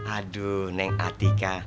aduh neng atika